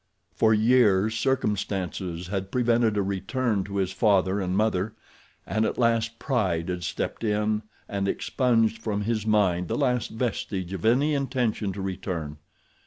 For years circumstances had prevented a return to his father and mother, and at last pride had stepped in and expunged from his mind the last vestige of any intention to return.